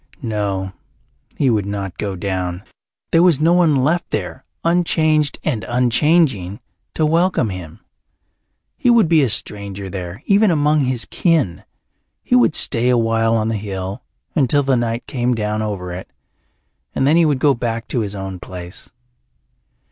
No, he would not go down. There was no one left there, unchanged and unchanging, to welcome him. He would be a stranger there, even among his kin. He would stay awhile on the hill, until the night came down over it, and then he would go back to his own place.